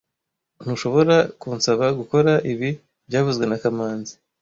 Ntushobora kunsaba gukora ibi byavuzwe na kamanzi